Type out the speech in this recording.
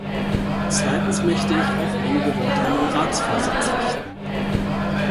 Zweitens möchte ich auch einige Worte an den Ratsvorsitz richten.